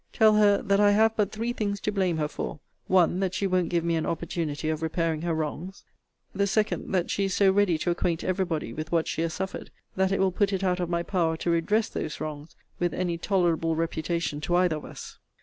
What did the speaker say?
Tell her, that I have but three things to blame her for; one, that she won't give me an opportunity of repairing her wrongs: the second, that she is so ready to acquaint every body with what she has suffered, that it will put it out of my power to redress those wrongs, with any tolerable reputation to either of us.